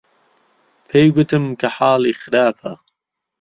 پێی گوتم کە حاڵی خراپە.